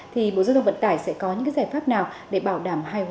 thì bộ giao thông vận tải sẽ có những cái giải pháp nào để bảo đảm hai hội